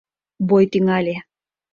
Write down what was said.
Бой тӱҥале.